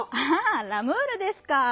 ああ「ラムール」ですか。